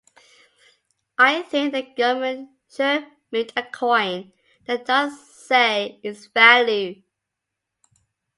I think the government should mint a coin that doesn’t say its value.